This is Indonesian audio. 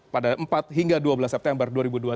pada empat hingga dua belas september dua ribu dua puluh